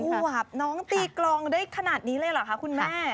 ขวบน้องตีกลองได้ขนาดนี้เลยเหรอคะคุณแม่